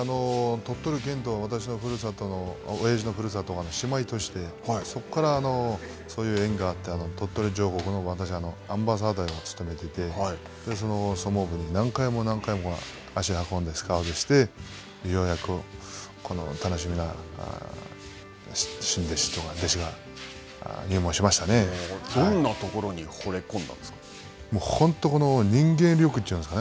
鳥取県と私のふるさとの、おやじのふるさとが姉妹都市でそこからそういう縁があって、鳥取城北のアンバサダー務めててそこに足を運んでスカウトしてようやく楽しみな新弟子がどんなところに本当、この人間力というんですかね。